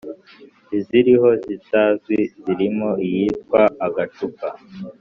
Iziriho zitazwi zirimo iyitwa Agacupa